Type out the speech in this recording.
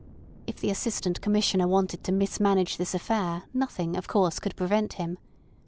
If the Assistant Commissioner wanted to mismanage this affair nothing, of course, could prevent him.